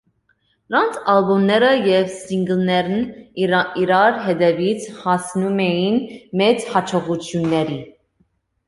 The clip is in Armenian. Նրանց ալբոմները և սինգլներն իրար հետևից հասնում էին մեծ հաջողությունների։